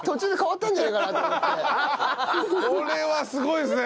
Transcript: これはすごいですね。